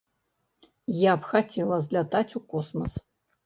Я б хацела злятаць у космас.